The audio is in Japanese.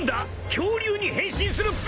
恐竜に変身するっぺか？］